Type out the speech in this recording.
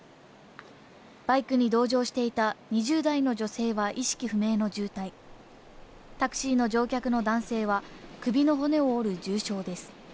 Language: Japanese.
バイクに同乗していた２０代の女性は意識不明の重体、タクシーの乗客の男性は首の骨を折る重傷です。